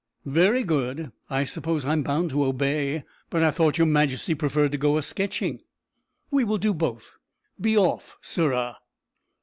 "Very good; I suppose I'm bound to obey, but I thought your majesty preferred to go a sketching." "We will do both. Be off, sirrah!"